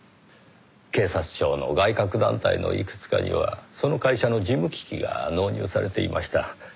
警察庁の外郭団体のいくつかにはその会社の事務機器が納入されていました。